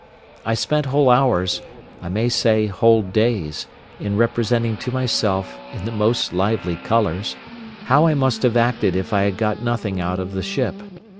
I spent whole hours, I may say whole days, in representing to myself, in the most lively colours, how I must have acted if I had got nothing out of the ship.